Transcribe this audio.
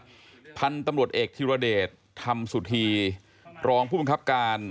ช่วงเช้าวันนี้ครับพันธุ์ตำรวจเอกธิรเดชน์ทำสุธีรองผู้บังคับการ